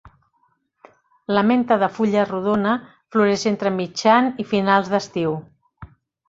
La menta de fulla rodona floreix entre mitjan i finals d'estiu.